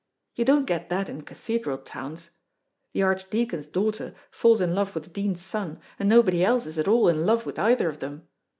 You don't get that in cathedral towns. The archdeacon's daughter falls in love with the dean's son, and nobody else is at all in love with either of them.